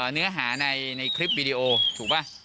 เนื้อหาในคลิปวิดีโอถูกป่ะ